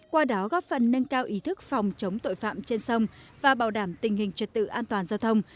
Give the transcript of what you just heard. qua đó góp phần nâng cao ý thức phòng chống tội phạm trên sông và bảo đảm tình hình trật tự an toàn giao thông